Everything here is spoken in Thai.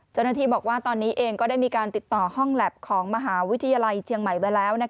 เจ้าหน้าที่บอกว่าตอนนี้เองก็ได้มีการติดต่อห้องแล็บของมหาวิทยาลัยเชียงใหม่ไว้แล้ว